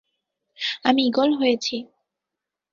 আমি ঈগল হয়েছি!